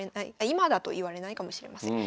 今だと言われないかもしれません。